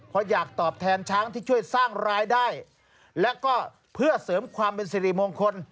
เพราะอยากตอบแทนช้างที่ช่วยสร้างรายได้แล้วก็เพื่อเสริมความเป็นสิริมงคล